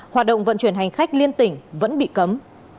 hoạt động vận chuyển hành khách liên tỉnh vẫn bị cấm